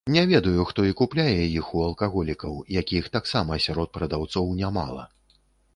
Не ведаю, хто і купляе іх у алкаголікаў, якіх таксама сярод прадаўцоў нямала.